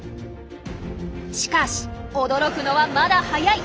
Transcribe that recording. しかし驚くのはまだ早い！